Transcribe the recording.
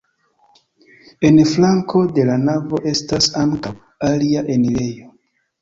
En flanko de la navo estas ankaŭ alia enirejo.